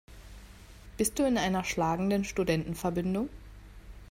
Bist du in einer schlagenden Studentenverbindung?